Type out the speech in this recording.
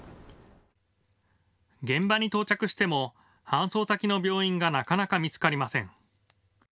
現場に到着しても搬送先の病院がなかなか見つかりません。